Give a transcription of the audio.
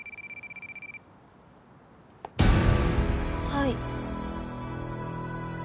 はい。